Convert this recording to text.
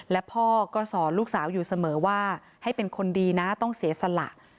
และพ่อก็สอนลูกสาวอยู่เสมอว่าให้เป็นคนดีนะต้องเสียสละ